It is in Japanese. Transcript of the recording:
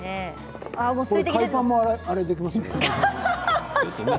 海パンもできますよね。